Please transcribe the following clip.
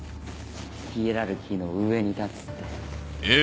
ヒエラルキーの上に立つって。